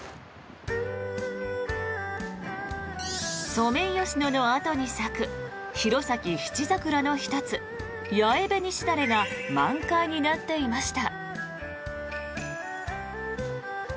ソメイヨシノのあとに咲く弘前七桜の１つヤエベニシダレが満開になっていました。